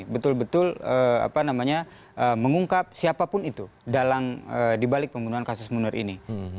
betul betul apa namanya mengungkap siapapun itu di balik pembunuhan kasus munir ini